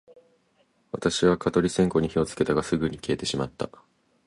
私は蚊取り線香に火をつけたが、すぐに消えてしまった